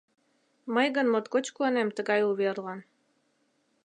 Мый гын моткоч куанем тыгай уверлан.